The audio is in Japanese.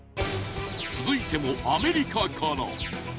続いてもアメリカから。